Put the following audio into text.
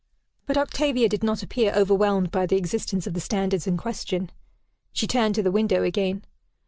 But Octavia did not appear overwhelmed by the existence of the standards in question. She turned to the window again.